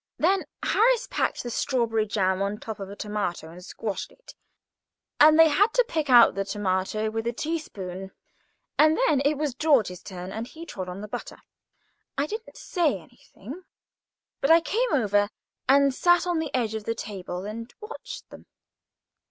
Then Harris packed the strawberry jam on top of a tomato and squashed it, and they had to pick out the tomato with a teaspoon. And then it was George's turn, and he trod on the butter. I didn't say anything, but I came over and sat on the edge of the table and watched them.